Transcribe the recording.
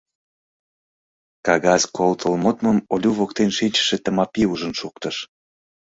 Кагаз колтыл модмым Олю воктен шинчыше Тымапи ужын шуктыш.